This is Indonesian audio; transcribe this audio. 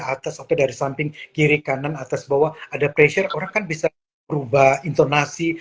atas sampai dari samping kiri kanan atas bawah ada pressure orang kan bisa berubah intonasi